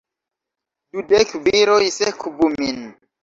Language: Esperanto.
Dudek viroj sekvu min!